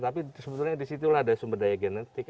tapi sebetulnya disitulah ada sumber daya genetik